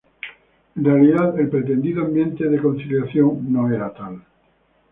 En realidad, el pretendido ambiente de conciliación no era tal.